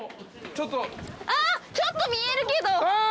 あっちょっと見えるけど。